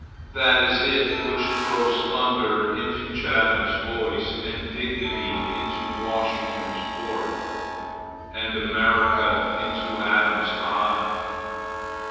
That is it which throws thunder into Chatham's voice, and dignity into Washington's port, and America into Adams's eye.